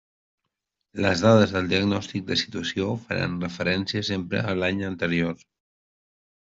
Les dades del diagnòstic de situació faran referència sempre a l'any anterior.